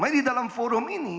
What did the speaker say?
di dalam forum ini